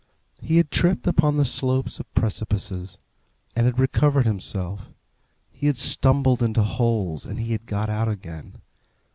He had tripped upon the slopes of precipices, and had recovered himself; he had stumbled into holes, and had got out again.